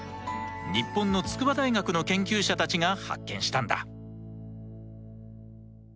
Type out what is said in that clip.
日本の筑波大学の研究者たちが発見したんだ。